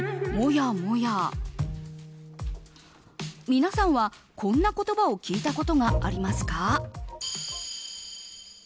皆さんは、こんな言葉を聞いたことがありますか？